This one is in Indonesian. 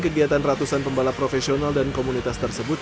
kegiatan ratusan pembalap profesional dan komunitas tersebut